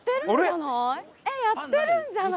やってるんじゃない？